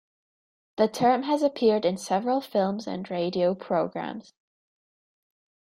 The term has appeared in several films and radio programs.